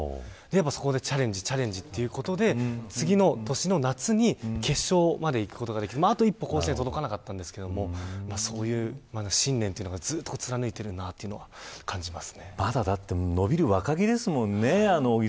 そこでチャレンジ、チャレンジということで次の年の夏に決勝まで行くことができてあと一歩甲子園に届かなかったんですけどそういう信念をずっと貫いているんだなとまだ伸びる若木ですもんね。